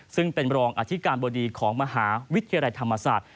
ซึ่งเป็นรองอธิการบดีของมหาวิทยาลัยธรรมศาสตร์